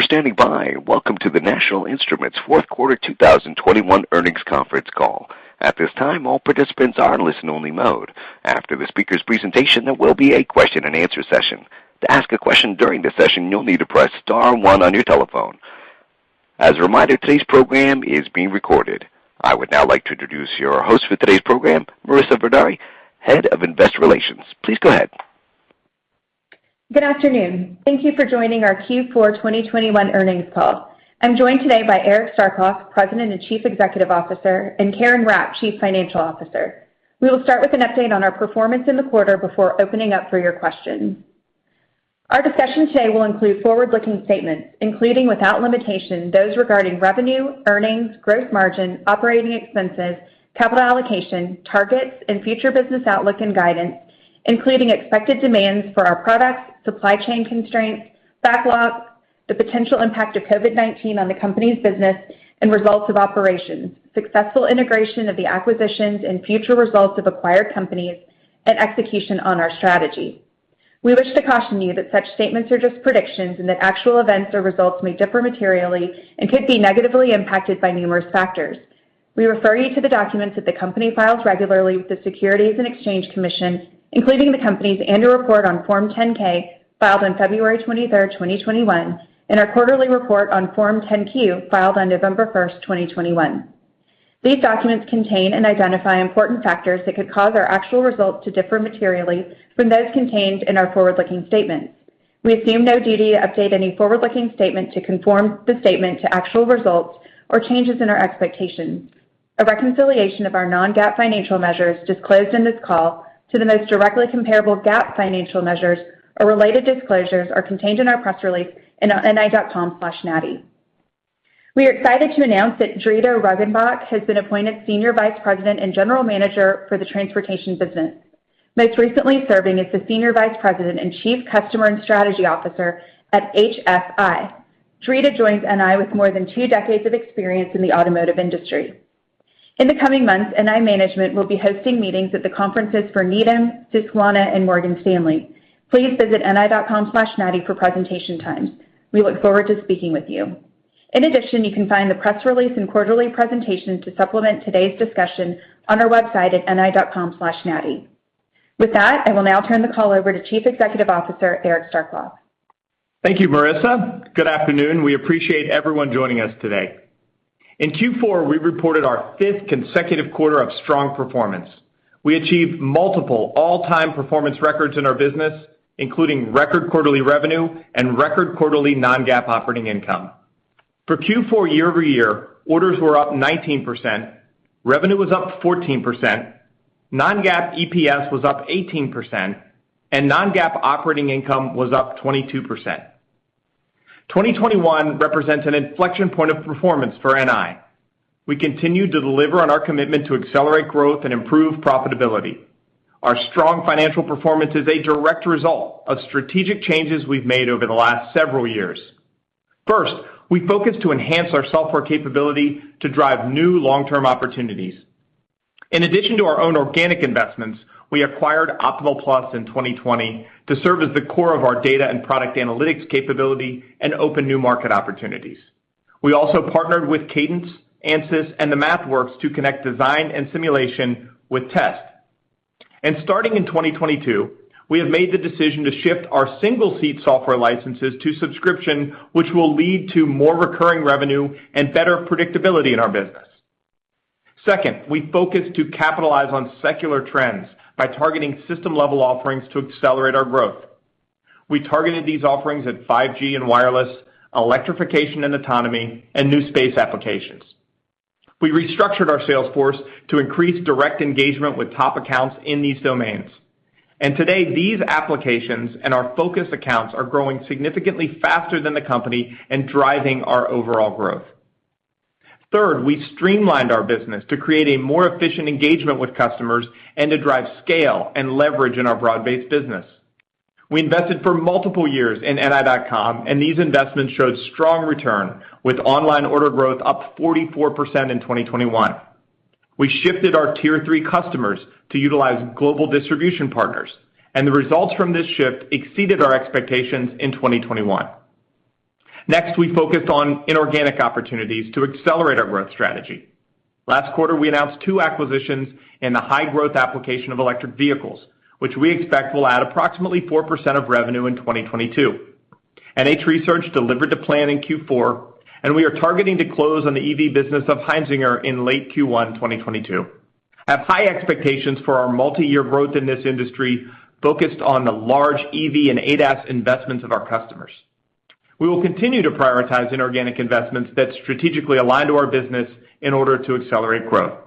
Thank you for standing by. Welcome to the National Instruments fourth quarter 2021 earnings conference call. At this time, all participants are in listen-only mode. After the speaker's presentation, there will be a question-and-answer session. To ask a question during the session, you'll need to press star one on your telephone. As a reminder, today's program is being recorded. I would now like to introduce your host for today's program, Marissa Vidaurri, Head of Investor Relations. Please go ahead. Good afternoon. Thank you for joining our Q4 2021 earnings call. I'm joined today by Eric Starkloff, President and Chief Executive Officer, and Karen Rapp, Chief Financial Officer. We will start with an update on our performance in the quarter before opening up for your questions. Our discussion today will include forward-looking statements, including, without limitation, those regarding revenue, earnings, gross margin, operating expenses, capital allocation, targets, and future business outlook and guidance, including expected demands for our products, supply chain constraints, backlogs, the potential impact of COVID-19 on the company's business and results of operations, successful integration of the acquisitions and future results of acquired companies, and execution on our strategy. We wish to caution you that such statements are just predictions and that actual events or results may differ materially and could be negatively impacted by numerous factors. We refer you to the documents that the company files regularly with the Securities and Exchange Commission, including the company's annual report on Form 10-K filed on February 23rd, 2021, and our quarterly report on Form 10-Q filed on November 1st, 2021. These documents contain and identify important factors that could cause our actual results to differ materially from those contained in our forward-looking statements. We assume no duty to update any forward-looking statement to conform the statement to actual results or changes in our expectations. A reconciliation of our non-GAAP financial measures disclosed in this call to the most directly comparable GAAP financial measures or related disclosures are contained in our press release at ni.com/nati. We are excited to announce that Drita Roggenbuck has been appointed Senior Vice President and General Manager for the transportation business, most recently serving as the Senior Vice President and Chief Customer and Strategy Officer at HSI. Drita joins NI with more than two decades of experience in the automotive industry. In the coming months, NI management will be hosting meetings at the conferences for Needham, Susquehanna, and Morgan Stanley. Please visit ni.com/nati for presentation times. We look forward to speaking with you. In addition, you can find the press release and quarterly presentation to supplement today's discussion on our website at ni.com/nati. With that, I will now turn the call over to Chief Executive Officer Eric Starkloff. Thank you, Marissa. Good afternoon. We appreciate everyone joining us today. In Q4, we reported our fifth consecutive quarter of strong performance. We achieved multiple all-time performance records in our business, including record quarterly revenue and record quarterly non-GAAP operating income. For Q4 year-over-year, orders were up 19%, revenue was up 14%, non-GAAP EPS was up 18%, and non-GAAP operating income was up 22%. 2021 represents an inflection point of performance for NI. We continue to deliver on our commitment to accelerate growth and improve profitability. Our strong financial performance is a direct result of strategic changes we've made over the last several years. First, we focused to enhance our software capability to drive new long-term opportunities. In addition to our own organic investments, we acquired OptimalPlus in 2020 to serve as the core of our data and product analytics capability and open new market opportunities. We also partnered with Cadence, Ansys, and the MathWorks to connect design and simulation with test. Starting in 2022, we have made the decision to shift our single-seat software licenses to subscription, which will lead to more recurring revenue and better predictability in our business. Second, we focused to capitalize on secular trends by targeting system-level offerings to accelerate our growth. We targeted these offerings at 5G and wireless, electrification and autonomy, and new space applications. We restructured our sales force to increase direct engagement with top accounts in these domains. Today, these applications and our focus accounts are growing significantly faster than the company and driving our overall growth. Third, we streamlined our business to create a more efficient engagement with customers and to drive scale and leverage in our broad-based business. We invested for multiple years in ni.com, and these investments showed strong return with online order growth up 44% in 2021. We shifted our tier three customers to utilize global distribution partners, and the results from this shift exceeded our expectations in 2021. Next, we focused on inorganic opportunities to accelerate our growth strategy. Last quarter, we announced two acquisitions in the high-growth application of electric vehicles, which we expect will add approximately 4% of revenue in 2022. NH Research delivered to plan in Q4, and we are targeting to close on the EV business of Heinzinger in late Q1 2022. I have high expectations for our multi-year growth in this industry, focused on the large EV and ADAS investments of our customers. We will continue to prioritize inorganic investments that strategically align to our business in order to accelerate growth.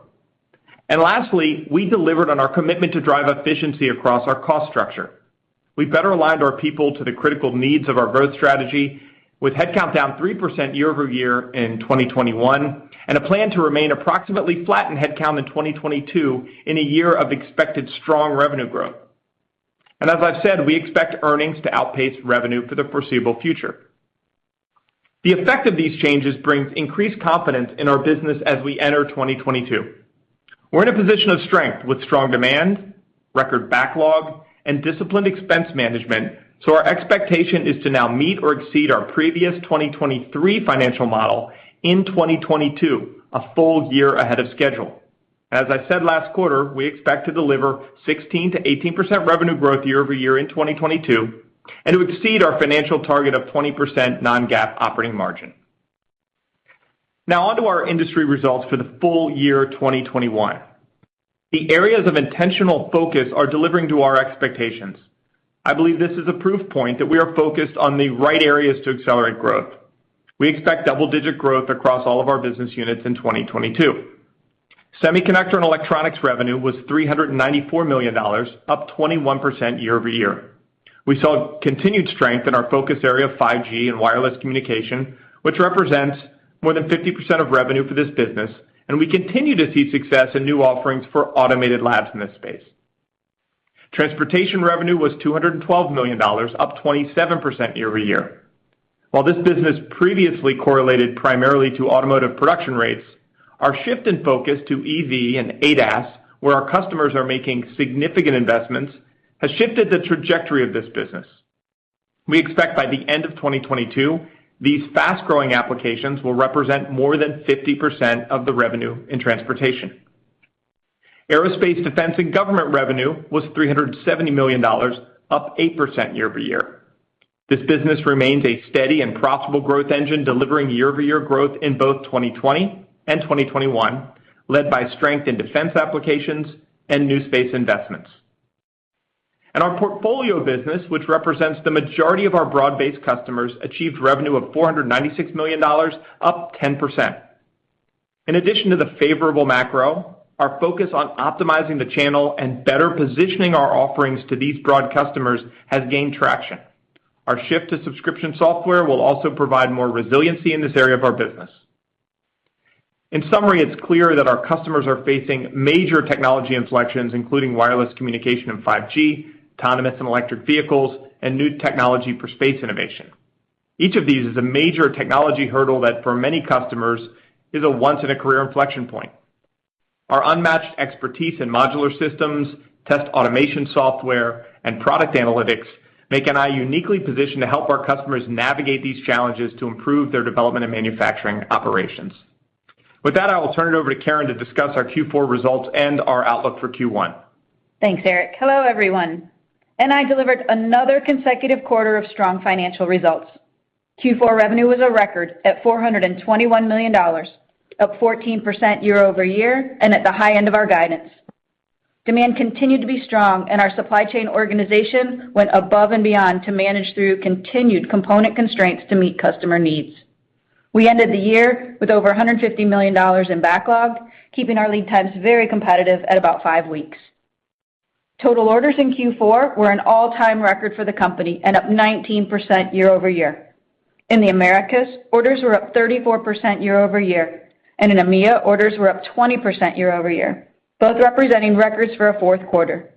Lastly, we delivered on our commitment to drive efficiency across our cost structure. We better aligned our people to the critical needs of our growth strategy with headcount down 3% year-over-year in 2021, and a plan to remain approximately flat in headcount in 2022 in a year of expected strong revenue growth. As I've said, we expect earnings to outpace revenue for the foreseeable future. The effect of these changes brings increased confidence in our business as we enter 2022. We're in a position of strength with strong demand, record backlog, and disciplined expense management, so our expectation is to now meet or exceed our previous 2023 financial model in 2022, a full year ahead of schedule. As I said last quarter, we expect to deliver 16%-18% revenue growth year-over-year in 2022, and to exceed our financial target of 20% non-GAAP operating margin. Now on to our industry results for the full year 2021. The areas of intentional focus are delivering to our expectations. I believe this is a proof point that we are focused on the right areas to accelerate growth. We expect double-digit growth across all of our business units in 2022. Semiconductor and electronics revenue was $394 million, up 21% year-over-year. We saw continued strength in our focus area of 5G and wireless communication, which represents more than 50% of revenue for this business, and we continue to see success in new offerings for automated labs in this space. Transportation revenue was $212 million, up 27% year-over-year. While this business previously correlated primarily to automotive production rates, our shift in focus to EV and ADAS, where our customers are making significant investments, has shifted the trajectory of this business. We expect by the end of 2022, these fast-growing applications will represent more than 50% of the revenue in transportation. Aerospace, defense, and government revenue was $370 million, up 8% year-over-year. This business remains a steady and profitable growth engine, delivering year-over-year growth in both 2020 and 2021, led by strength in defense applications and new space investments. Our portfolio business, which represents the majority of our broad-based customers, achieved revenue of $496 million, up 10%. In addition to the favorable macro, our focus on optimizing the channel and better positioning our offerings to these broad customers has gained traction. Our shift to subscription software will also provide more resiliency in this area of our business. In summary, it's clear that our customers are facing major technology inflections, including wireless communication in 5G, autonomous and electric vehicles, and new technology for space innovation. Each of these is a major technology hurdle that for many customers is a once in a career inflection point. Our unmatched expertise in modular systems, test automation software, and product analytics make NI uniquely positioned to help our customers navigate these challenges to improve their development and manufacturing operations. With that, I will turn it over to Karen to discuss our Q4 results and our outlook for Q1. Thanks, Eric. Hello, everyone. NI delivered another consecutive quarter of strong financial results. Q4 revenue was a record at $421 million, up 14% year-over-year, and at the high end of our guidance. Demand continued to be strong, and our supply chain organization went above and beyond to manage through continued component constraints to meet customer needs. We ended the year with over $150 million in backlog, keeping our lead times very competitive at about five weeks. Total orders in Q4 were an all-time record for the company and up 19% year-over-year. In the Americas, orders were up 34% year-over-year, and in EMEIA, orders were up 20% year-over-year, both representing records for a fourth quarter.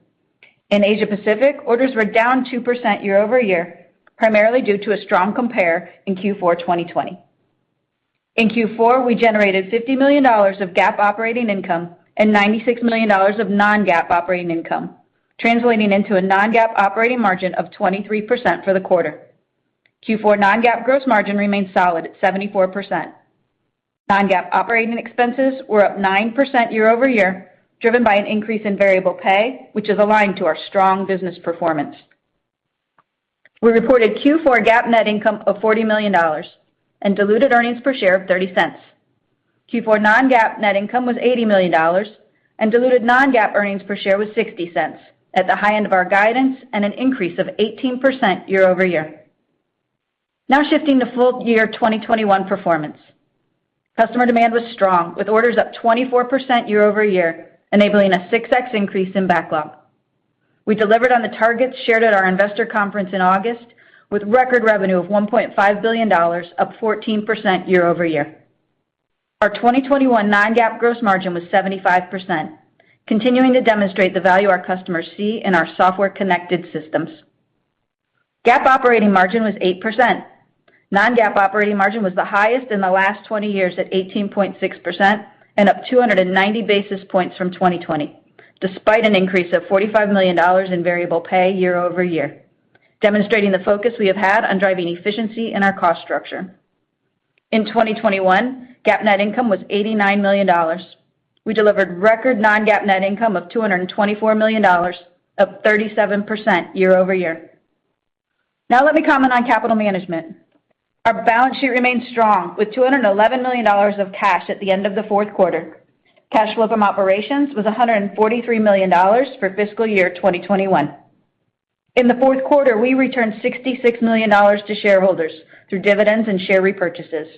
In Asia Pacific, orders were down 2% year-over-year, primarily due to a strong compare in Q4 2020. In Q4, we generated $50 million of GAAP operating income and $96 million of non-GAAP operating income, translating into a non-GAAP operating margin of 23% for the quarter. Q4 non-GAAP gross margin remains solid at 74%. Non-GAAP operating expenses were up 9% year-over-year, driven by an increase in variable pay, which is aligned to our strong business performance. We reported Q4 GAAP net income of $40 million and diluted earnings per share of $0.30. Q4 non-GAAP net income was $80 million and diluted non-GAAP earnings per share was $0.60 at the high end of our guidance and an increase of 18% year-over-year. Now shifting to full year 2021 performance. Customer demand was strong, with orders up 24% year-over-year, enabling a 6x increase in backlog. We delivered on the targets shared at our investor conference in August with record revenue of $1.5 billion, up 14% year-over-year. Our 2021 non-GAAP gross margin was 75%, continuing to demonstrate the value our customers see in our software-connected systems. GAAP operating margin was 8%. Non-GAAP operating margin was the highest in the last 20 years at 18.6% and up 290 basis points from 2020, despite an increase of $45 million in variable pay year-over-year, demonstrating the focus we have had on driving efficiency in our cost structure. In 2021, GAAP net income was $89 million. We delivered record non-GAAP net income of $224 million, up 37% year-over-year. Now let me comment on capital management. Our balance sheet remains strong, with $211 million of cash at the end of the fourth quarter. Cash flow from operations was $143 million for fiscal year 2021. In the fourth quarter, we returned $66 million to shareholders through dividends and share repurchases.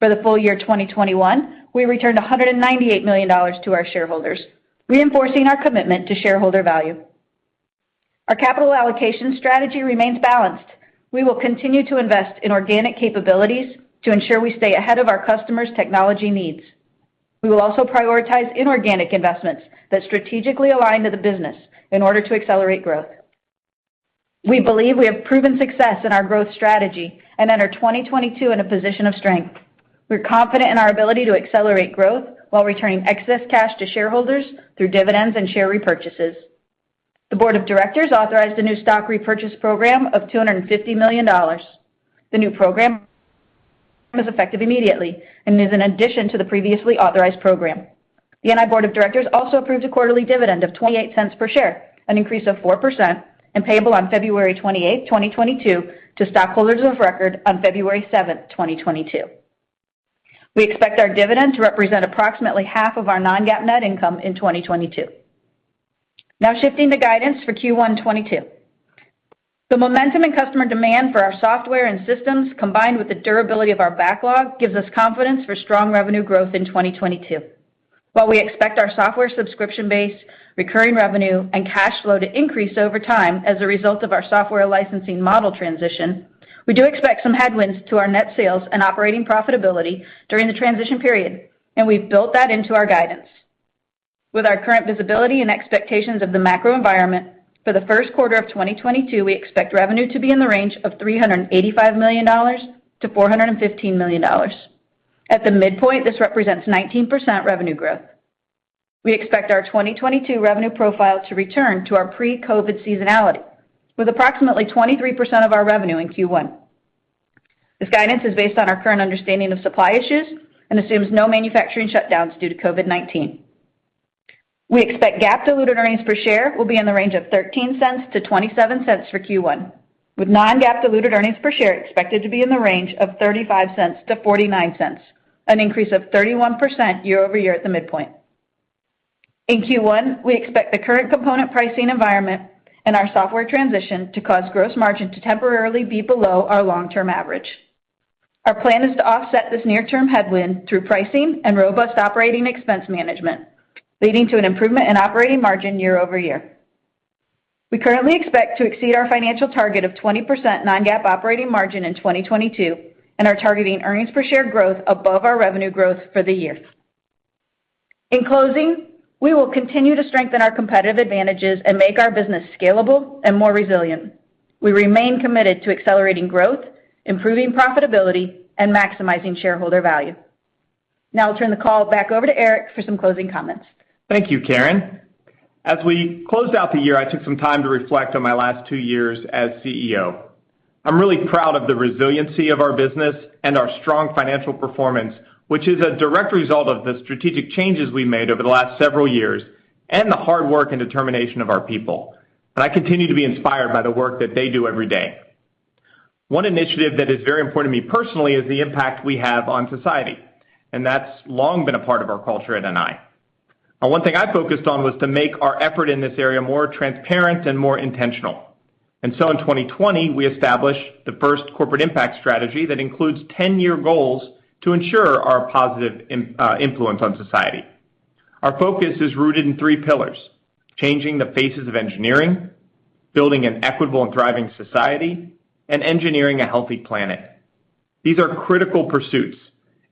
For the full year 2021, we returned $198 million to our shareholders, reinforcing our commitment to shareholder value. Our capital allocation strategy remains balanced. We will continue to invest in organic capabilities to ensure we stay ahead of our customers' technology needs. We will also prioritize inorganic investments that strategically align to the business in order to accelerate growth. We believe we have proven success in our growth strategy and enter 2022 in a position of strength. We're confident in our ability to accelerate growth while returning excess cash to shareholders through dividends and share repurchases. The board of directors authorized a new stock repurchase program of $250 million. The new program is effective immediately and is in addition to the previously authorized program. The NI board of directors also approved a quarterly dividend of $0.28 per share, an increase of 4%, and payable on February 28, 2022 to stockholders of record on February 7, 2022. We expect our dividend to represent approximately half of our non-GAAP net income in 2022. Now shifting to guidance for Q1 2022. The momentum and customer demand for our software and systems, combined with the durability of our backlog, gives us confidence for strong revenue growth in 2022. While we expect our software subscription base, recurring revenue, and cash flow to increase over time as a result of our software licensing model transition, we do expect some headwinds to our net sales and operating profitability during the transition period, and we've built that into our guidance. With our current visibility and expectations of the macro environment, for the first quarter of 2022, we expect revenue to be in the range of $385 million-$415 million. At the midpoint, this represents 19% revenue growth. We expect our 2022 revenue profile to return to our pre-COVID seasonality, with approximately 23% of our revenue in Q1. This guidance is based on our current understanding of supply issues and assumes no manufacturing shutdowns due to COVID-19. We expect GAAP diluted earnings per share will be in the range of $0.13-$0.27 for Q1, with non-GAAP diluted earnings per share expected to be in the range of $0.35-$0.49, an increase of 31% year over year at the midpoint. In Q1, we expect the current component pricing environment and our software transition to cause gross margin to temporarily be below our long-term average. Our plan is to offset this near-term headwind through pricing and robust operating expense management, leading to an improvement in operating margin year over year. We currently expect to exceed our financial target of 20% non-GAAP operating margin in 2022 and are targeting earnings per share growth above our revenue growth for the year. In closing, we will continue to strengthen our competitive advantages and make our business scalable and more resilient. We remain committed to accelerating growth, improving profitability, and maximizing shareholder value. Now I'll turn the call back over to Eric for some closing comments. Thank you, Karen. As we closed out the year, I took some time to reflect on my last two years as CEO. I'm really proud of the resiliency of our business and our strong financial performance, which is a direct result of the strategic changes we made over the last several years and the hard work and determination of our people, and I continue to be inspired by the work that they do every day. One initiative that is very important to me personally is the impact we have on society, and that's long been a part of our culture at NI. Now, one thing I focused on was to make our effort in this area more transparent and more intentional. In 2020, we established the first corporate impact strategy that includes ten-year goals to ensure our positive influence on society. Our focus is rooted in three pillars, changing the faces of engineering, building an equitable and thriving society, and engineering a healthy planet. These are critical pursuits,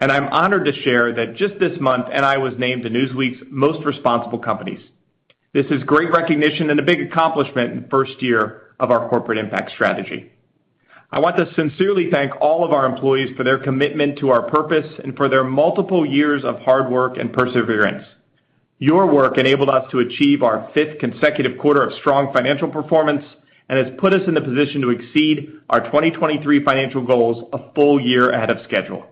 and I'm honored to share that just this month, NI was named to Newsweek's Most Responsible Companies. This is great recognition and a big accomplishment in the first year of our corporate impact strategy. I want to sincerely thank all of our employees for their commitment to our purpose and for their multiple years of hard work and perseverance. Your work enabled us to achieve our fifth consecutive quarter of strong financial performance and has put us in the position to exceed our 2023 financial goals a full year ahead of schedule.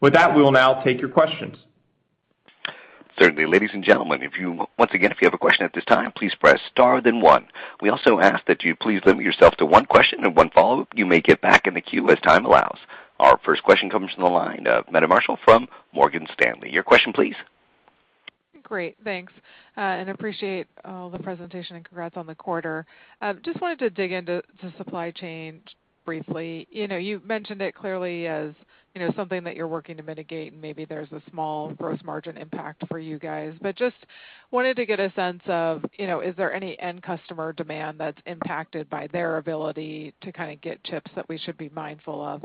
With that, we will now take your questions. Certainly. Ladies and gentlemen, once again, if you have a question at this time, please press star then one. We also ask that you please limit yourself to one question and one follow-up. You may get back in the queue as time allows. Our first question comes from the line of Meta Marshall from Morgan Stanley. Your question please. Great, thanks. Appreciate all the presentation and congrats on the quarter. Just wanted to dig into the supply chain briefly. You know, you've mentioned it clearly as, you know, something that you're working to mitigate, and maybe there's a small gross margin impact for you guys. Just wanted to get a sense of, you know, is there any end customer demand that's impacted by their ability to kinda get chips that we should be mindful of?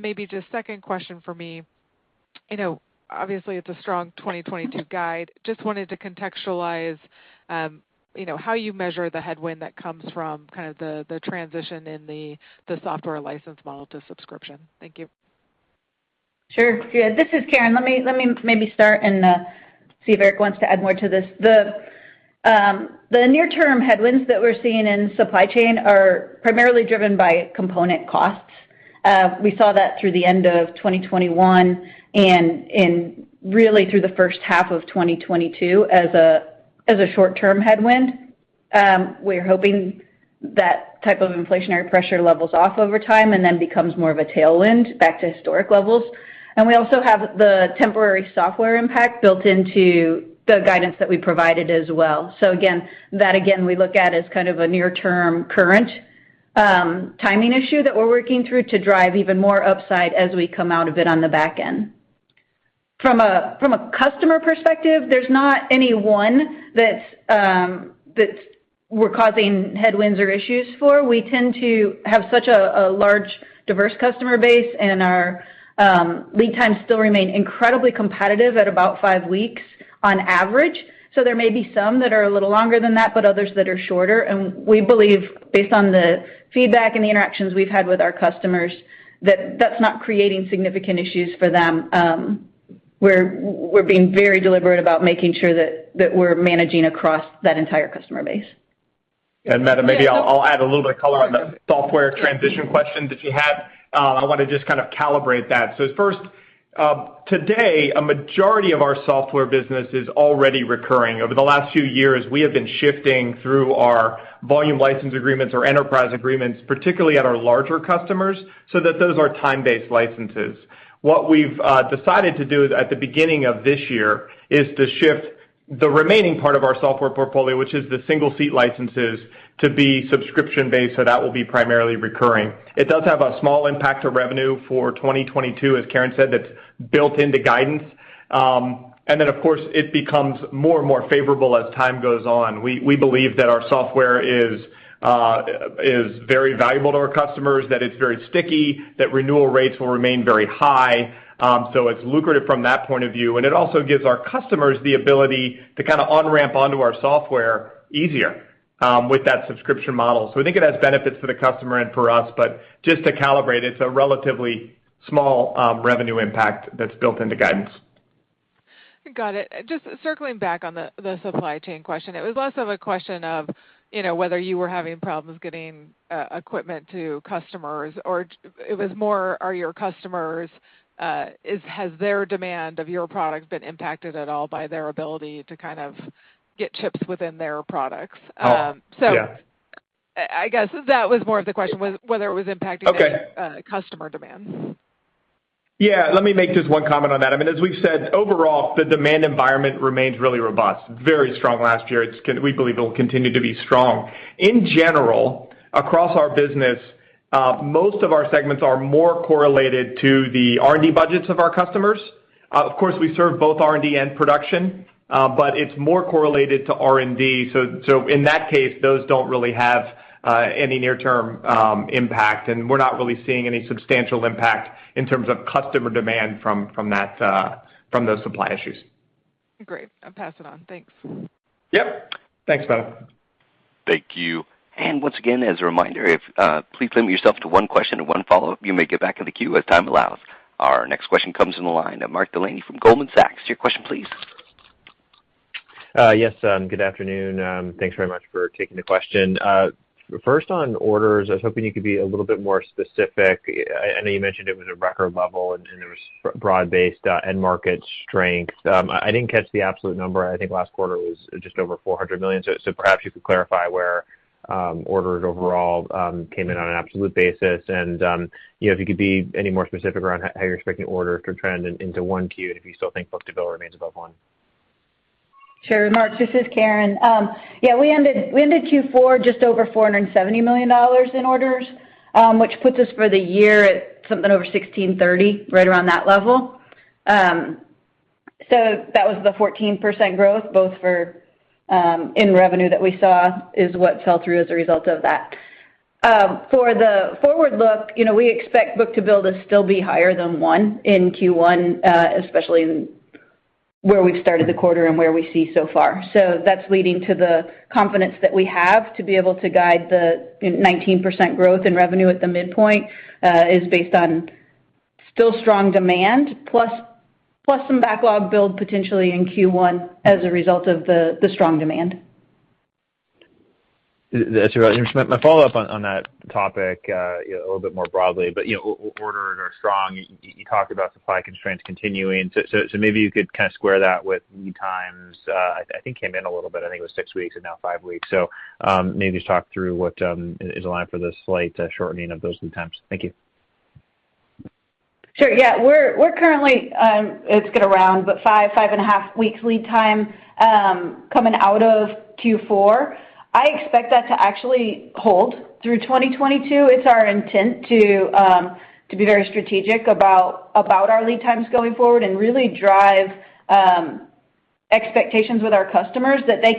Maybe just second question for me, you know, obviously it's a strong 2022 guide. Just wanted to contextualize, you know, how you measure the headwind that comes from kind of the transition in the software license model to subscription. Thank you. Sure. Yeah, this is Karen. Let me maybe start and see if Eric wants to add more to this. The near-term headwinds that we're seeing in supply chain are primarily driven by component costs. We saw that through the end of 2021 and really through the H1 of 2022 as a short-term headwind. We're hoping that type of inflationary pressure levels off over time and then becomes more of a tailwind back to historic levels. We also have the temporary software impact built into the guidance that we provided as well. So again, that we look at as kind of a near-term current timing issue that we're working through to drive even more upside as we come out of it on the back end. From a customer perspective, there's not any one that we're causing headwinds or issues for. We tend to have such a large, diverse customer base, and our lead times still remain incredibly competitive at about five weeks on average. There may be some that are a little longer than that, but others that are shorter. We believe based on the feedback and the interactions we've had with our customers, that that's not creating significant issues for them. We're being very deliberate about making sure that we're managing across that entire customer base. Meta, maybe I'll add a little bit of color on the software transition question that you had. I wanna just kind of calibrate that. First, today, a majority of our software business is already recurring. Over the last few years, we have been shifting through our volume license agreements or enterprise agreements, particularly at our larger customers, so that those are time-based licenses. What we've decided to do is at the beginning of this year to shift the remaining part of our software portfolio, which is the single seat licenses, to be subscription-based, so that will be primarily recurring. It does have a small impact to revenue for 2022, as Karen said, that's built into guidance. Then of course, it becomes more and more favorable as time goes on. We believe that our software is very valuable to our customers, that it's very sticky, that renewal rates will remain very high. It's lucrative from that point of view. It also gives our customers the ability to kinda on-ramp onto our software easier with that subscription model. We think it has benefits for the customer and for us, but just to calibrate it's a relatively small revenue impact that's built into guidance. Got it. Just circling back on the supply chain question. It was less of a question of, you know, whether you were having problems getting equipment to customers, or it was more are your customers has their demand of your product been impacted at all by their ability to kind of get chips within their products? Yeah. I guess that was more of the question, was whether it was impacting. Okay. customer demands. Yeah. Let me make just one comment on that. I mean, as we've said, overall, the demand environment remains really robust. Very strong last year. We believe it'll continue to be strong. In general, across our business, most of our segments are more correlated to the R&D budgets of our customers. Of course, we serve both R&D and production, but it's more correlated to R&D. So in that case, those don't really have any near-term impact, and we're not really seeing any substantial impact in terms of customer demand from those supply issues. Great. I'll pass it on. Thanks. Yep. Thanks, Meta. Thank you. Once again, as a reminder, please limit yourself to one question and one follow-up. You may get back in the queue as time allows. Our next question comes in the line of Mark Delaney from Goldman Sachs. Your question, please. Good afternoon. Thanks very much for taking the question. First on orders, I was hoping you could be a little bit more specific. I know you mentioned it was a record level, and then there was broad-based end market strength. I didn't catch the absolute number. I think last quarter was just over $400 million. So perhaps you could clarify where orders overall came in on an absolute basis. You know, if you could be any more specific around how you're expecting orders to trend into 1Q, and if you still think book-to-bill remains above one. Sure, Mark. This is Karen. Yeah, we ended Q4 just over $470 million in orders, which puts us for the year at something over $1,630, right around that level. So that was the 14% growth both in revenue that we saw is what fell through as a result of that. For the forward look, you know, we expect book-to-bill to still be higher than one in Q1, especially where we've started the quarter and where we see so far. That's leading to the confidence that we have to be able to guide the 19% growth in revenue at the midpoint, which is based on still strong demand plus some backlog build potentially in Q1 as a result of the strong demand. That's about it. My follow-up on that topic, you know, a little bit more broadly, you know, orders are strong. You talked about supply constraints continuing. Maybe you could kind of square that with lead times. I think it came in a little bit, I think it was six weeks and now five weeks. Maybe just talk through what is in line for the slight shortening of those lead times. Thank you. Sure, yeah. We're currently 5.5 weeks lead time coming out of Q4. I expect that to actually hold through 2022. It's our intent to be very strategic about our lead times going forward and really drive expectations with our customers that they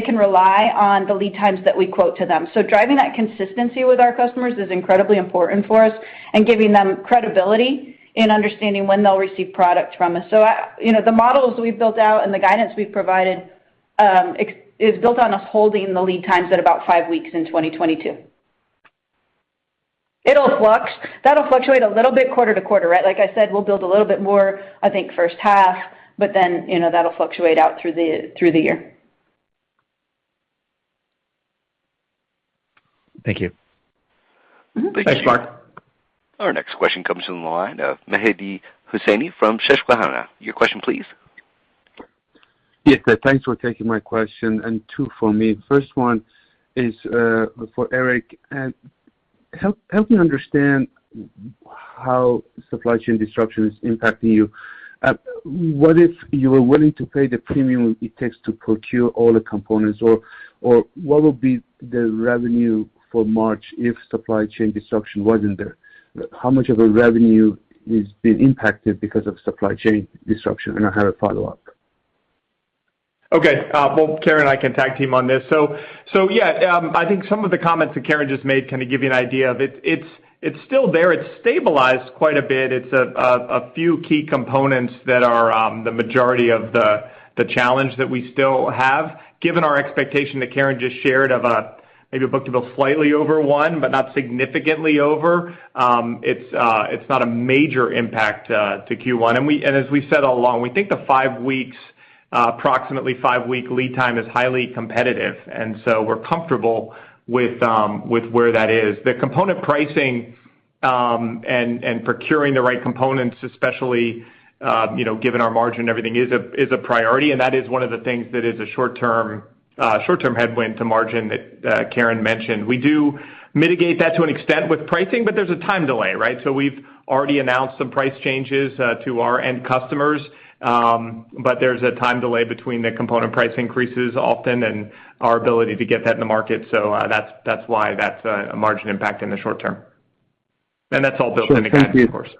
can rely on the lead times that we quote to them. Driving that consistency with our customers is incredibly important for us and giving them credibility in understanding when they'll receive product from us. You know, the models we've built out and the guidance we've provided is built on us holding the lead times at about five weeks in 2022. It'll flux. That'll fluctuate a little bit quarter-to-quarter, right? Like I said, we'll build a little bit more, I think, H1, but then, you know, that'll fluctuate out through the year. Thank you. Mm-hmm. Thanks, Mark. Our next question comes from the line of Mehdi Hosseini from Susquehanna. Your question, please. Yes. Thanks for taking my question. I have two for me. First one is for Eric. Help me understand how supply chain disruption is impacting you. What if you were willing to pay the premium it takes to procure all the components or what would be the revenue for March if supply chain disruption wasn't there? How much of the revenue is being impacted because of supply chain disruption? I have a follow-up. Okay. Well, Karen and I can tag team on this. Yeah, I think some of the comments that Karen just made kinda give you an idea of it. It's still there. It's stabilized quite a bit. It's a few key components that are the majority of the challenge that we still have. Given our expectation that Karen just shared of maybe a book to bill slightly over one, but not significantly over, it's not a major impact to Q1. As we said all along, we think the approximately five-week lead time is highly competitive, and so we're comfortable with where that is. The component pricing, and procuring the right components, especially, you know, given our margin, everything is a priority, and that is one of the things that is a short-term headwind to margin that Karen mentioned. We do mitigate that to an extent with pricing, but there's a time delay, right? We've already announced some price changes to our end customers. But there's a time delay between the component price increases often and our ability to get that in the market. That's why that's a margin impact in the short term. That's all built in the guidance, of course.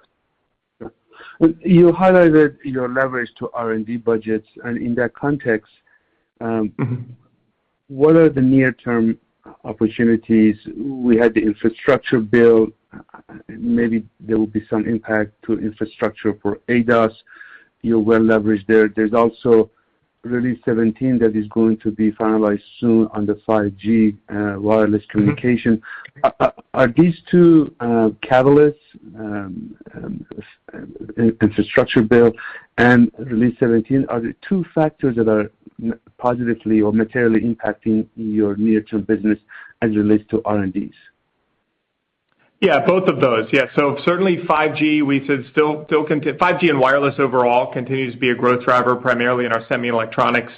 Sure. Thank you. You highlighted your leverage to R&D budgets, and in that context, what are the near-term opportunities? We had the infrastructure build. Maybe there will be some impact to infrastructure for ADAS. You're well leveraged there. There's also Release 17 that is going to be finalized soon on the 5G wireless communication. Are these two catalysts, infrastructure build and Release 17, the two factors that are positively or materially impacting your near-term business as it relates to R&D? Yeah, both of those. Yeah. Certainly 5G, we said, still 5G and wireless overall continues to be a growth driver, primarily in our semi electronics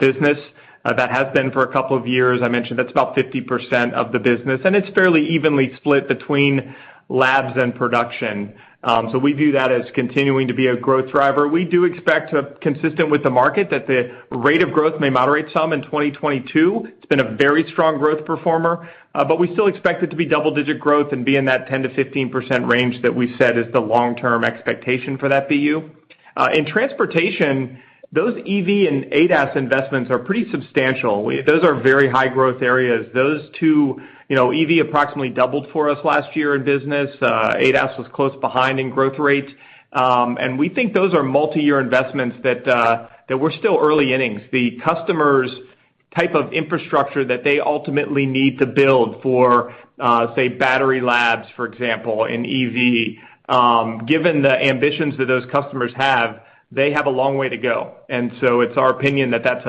business. That has been for a couple of years. I mentioned that's about 50% of the business, and it's fairly evenly split between labs and production. We view that as continuing to be a growth driver. We do expect, consistent with the market, that the rate of growth may moderate some in 2022. It's been a very strong growth performer, but we still expect it to be double-digit growth and be in that 10%-15% range that we said is the long-term expectation for that BU. In transportation, those EV and ADAS investments are pretty substantial. Those are very high growth areas. Those two, you know, EV approximately doubled for us last year in business. ADAS was close behind in growth rates. We think those are multi-year investments that we're still early innings. The customers' type of infrastructure that they ultimately need to build for, say, battery labs, for example, in EV, given the ambitions that those customers have, they have a long way to go. It's our opinion that that's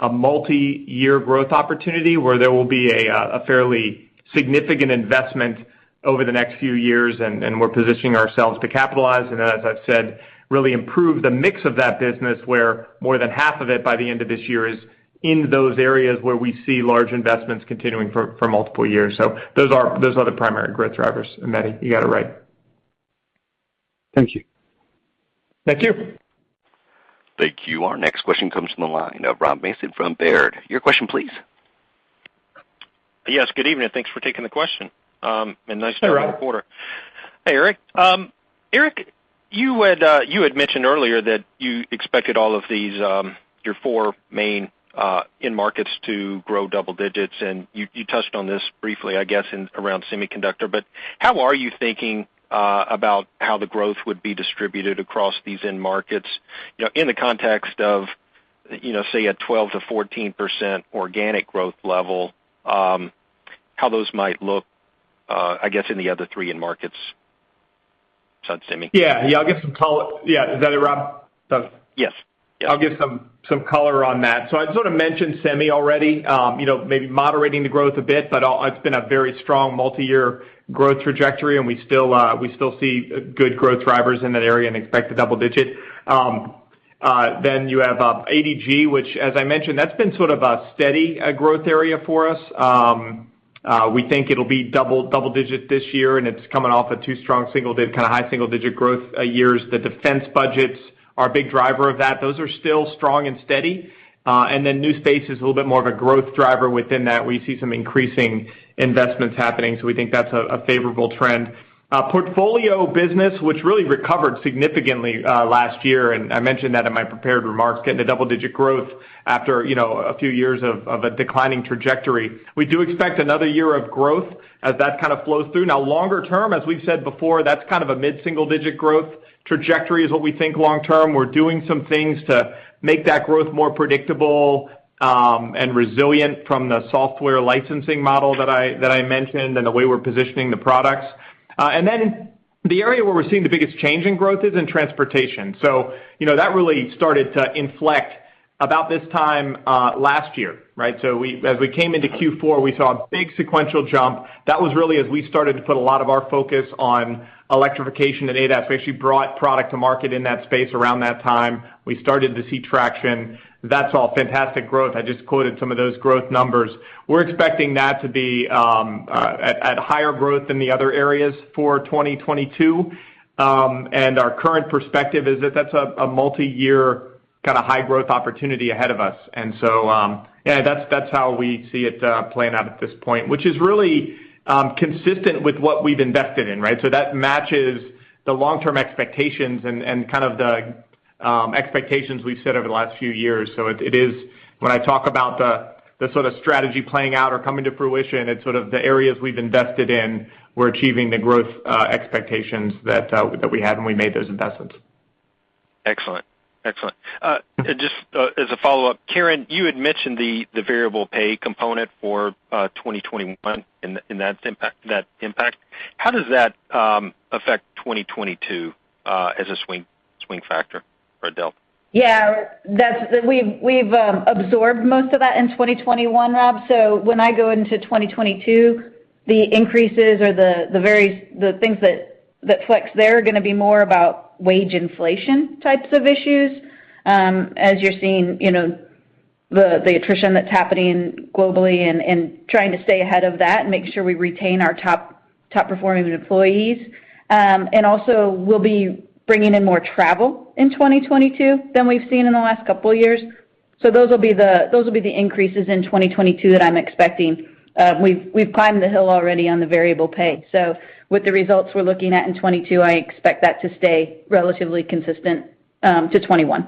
a multi-year growth opportunity where there will be a fairly significant investment over the next few years, and we're positioning ourselves to capitalize, and as I've said, really improve the mix of that business where more than 1/2 of it by the end of this year is in those areas where we see large investments continuing for multiple years. Those are the primary growth drivers, Mehdi. You got it right. Thank you. Thank you. Thank you. Our next question comes from the line of Rob Mason from Baird. Your question, please. Yes, good evening. Thanks for taking the question, and nice to be on the call. Hey, Rob. Hey, Eric. Eric, you had mentioned earlier that you expected all of these, your four main end markets to grow double digits, and you touched on this briefly, I guess, in and around semiconductor, but how are you thinking about how the growth would be distributed across these end markets, you know, in the context of, you know, say, a 12%-14% organic growth level, how those might look, I guess, in the other three end markets besides semi? Yeah. Yeah. I'll get some color. Yeah. Is that it, Rob? Yes. I'll give some color on that. I sort of mentioned semi already, you know, maybe moderating the growth a bit, but it's been a very strong multi-year growth trajectory, and we still see good growth drivers in that area and expect a double-digit. You have ADG, which, as I mentioned, that's been sort of a steady growth area for us. We think it'll be double-digit this year, and it's coming off two strong kind of high single-digit growth years. The defense budgets are a big driver of that. Those are still strong and steady. New space is a little bit more of a growth driver within that. We see some increasing investments happening, so we think that's a favorable trend. Portfolio business, which really recovered significantly last year, and I mentioned that in my prepared remarks, getting a double-digit growth after you know a few years of a declining trajectory. We do expect another year of growth as that kind of flows through. Now longer term, as we've said before, that's kind of a mid-single digit growth trajectory is what we think long term. We're doing some things to make that growth more predictable and resilient from the software licensing model that I mentioned and the way we're positioning the products. Then the area where we're seeing the biggest change in growth is in transportation. You know, that really started to inflect about this time last year, right? As we came into Q4, we saw a big sequential jump. That was really as we started to put a lot of our focus on electrification and ADAS. We actually brought product to market in that space around that time. We started to see traction. That's all fantastic growth. I just quoted some of those growth numbers. We're expecting that to be at higher growth than the other areas for 2022. Our current perspective is that that's a multi-year kinda high growth opportunity ahead of us. Yeah, that's how we see it playing out at this point, which is really consistent with what we've invested in, right? That matches the long-term expectations and kind of the expectations we've set over the last few years. It is when I talk about the sort of strategy playing out or coming to fruition, it's sort of the areas we've invested in, we're achieving the growth expectations that we had when we made those investments. Excellent. Just as a follow-up, Karen, you had mentioned the variable pay component for 2021 and that impact. How does that affect 2022 as a swing factor for OpEx? Yeah. We've absorbed most of that in 2021, Rob. When I go into 2022, the increases or the various things that flex there are gonna be more about wage inflation types of issues, as you're seeing, you know, the attrition that's happening globally and trying to stay ahead of that and make sure we retain our top-performing employees. And also, we'll be bringing in more travel in 2022 than we've seen in the last couple of years. Those will be the increases in 2022 that I'm expecting. We've climbed the hill already on the variable pay. With the results we're looking at in 2022, I expect that to stay relatively consistent to 2021.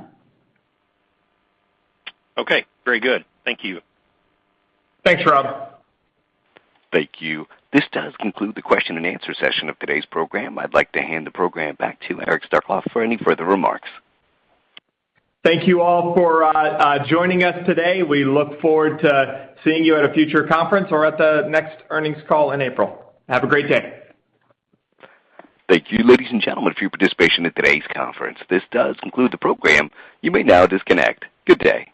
Okay. Very good. Thank you. Thanks, Rob. Thank you. This does conclude the question and answer session of today's program. I'd like to hand the program back to Eric Starkloff for any further remarks. Thank you all for joining us today. We look forward to seeing you at a future conference or at the next earnings call in April. Have a great day. Thank you, ladies and gentlemen, for your participation in today's conference. This does conclude the program. You may now disconnect. Good day.